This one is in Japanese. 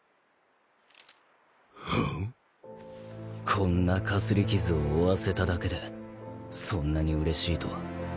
こんなかすり傷を負わせただけでそんなにうれしいとは。